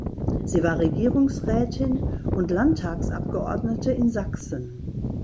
Sie war Regierungsrätin und Landtagsabgeordnete in Sachsen.